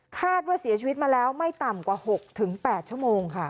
คาดว่าเสียชีวิตมาแล้วไม่ต่ำกว่า๖๘ชั่วโมงค่ะ